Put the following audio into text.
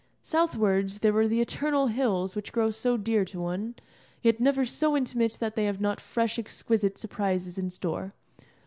Southwards there were the eternal hills which grow so dear to one, yet never so intimate that they have not fresh exquisite surprises in store.